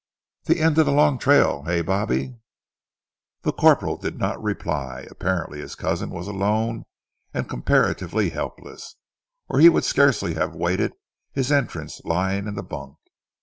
"The end of the long trail hey, bobby?" The corporal did not reply. Apparently his cousin was alone and comparatively helpless, or he would scarcely have waited his entrance lying in the bunk.